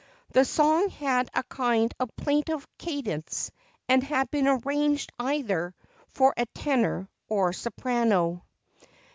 The song had a kind of plaintive cadence and had been arranged either for a tenor or soprano.